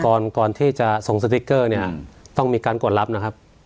ก่อนก่อนก่อนที่จะส่งสติกเกอร์เนี้ยอืมต้องมีการกดรับนะครับ